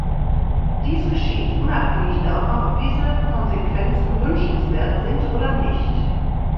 Dies geschieht unabhängig davon, ob diese Konsequenzen wünschenswert sind oder nicht.